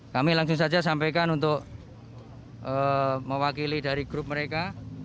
kami langsung saja sampaikan untuk mewakili dari grup mereka